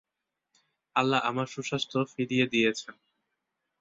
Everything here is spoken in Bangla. আল্লাহ আমার সুস্বাস্থ্য ফিরিয়ে দিয়েছেন।